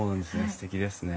すてきですね。